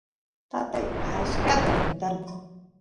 tatay achkata rin tarpuy